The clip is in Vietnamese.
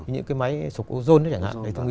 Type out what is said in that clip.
những cái máy sục ô dôn